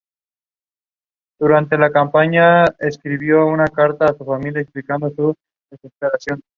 Se lo conoce principalmente por sus trabajos en electricidad y repulsión electrostática.